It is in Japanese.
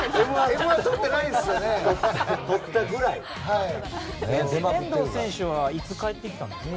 「Ｍ‐１」とってないですよね！